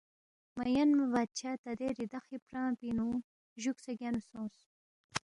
مہ یَنما بادشاہ تا دے ریدخی پرانگ پِنگ نُو جوُکسے گینُو سونگس